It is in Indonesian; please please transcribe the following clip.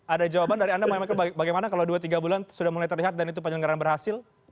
ada jawaban dari anda bang emil bagaimana kalau dua tiga bulan sudah mulai terlihat dan itu penyelenggaran berhasil